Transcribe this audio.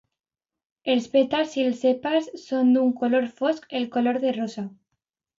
Els pètals i els sèpals són d"un color fosc, el color de rosa.